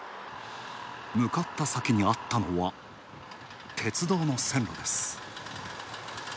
向かった先にあったのは、鉄道の線路です。